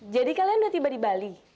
jadi kalian udah tiba di bali